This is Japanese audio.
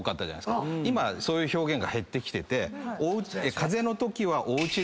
今そういう表現が減ってきてて風邪のときは。